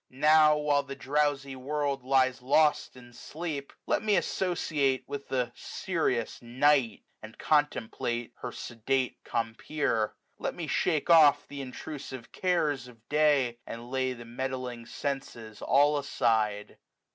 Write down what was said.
Now, while the drowsy world lies lost in sleqp. Let me associate with the serious Night, 205 And Contemplation her sedate compeer ; Let me shake off th' intrusive cares of day. And lay the meddling senses all aside.